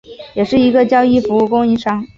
也是一个交易服务供应商。